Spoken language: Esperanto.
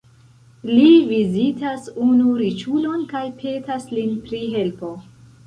Li vizitas unu riĉulon kaj petas lin pri helpo.